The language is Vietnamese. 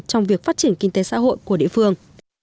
trong việc phát triển kinh tế xã hội của địa phương